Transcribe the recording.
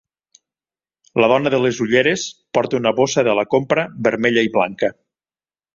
La dona de les ulleres porta una bossa de la compra vermella i blanca.